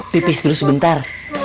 pipis dulu sebentar